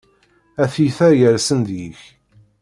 A tiyita yersen deg-k!